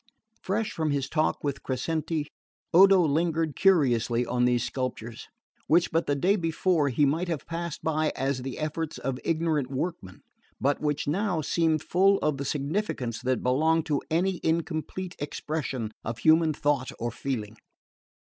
Fresh from his talk with Crescenti, Odo lingered curiously on these sculptures, which but the day before he might have passed by as the efforts of ignorant workmen, but which now seemed full of the significance that belongs to any incomplete expression of human thought or feeling.